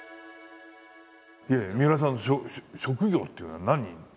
みうらさんの職業っていうのは何に。